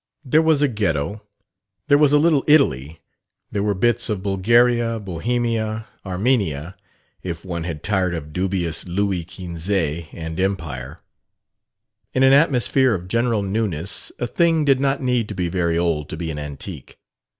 There was a Ghetto, there was a Little Italy, there were bits of Bulgaria, Bohemia, Armenia, if one had tired of dubious Louis Quinze and Empire. In an atmosphere of general newness a thing did not need to be very old to be an antique.